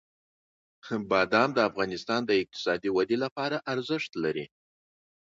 بادام د افغانستان د اقتصادي ودې لپاره ارزښت لري.